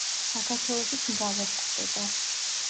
საქართველოშიც მრავლად გვხვდება.